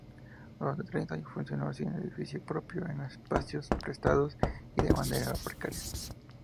Durante treinta años funcionó sin edificio propio, en espacios prestados y de manera precaria.